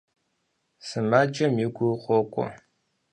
Сымаджэм и гур къокӀуэ.